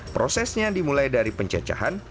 prosesnya dimulai dari pencecahan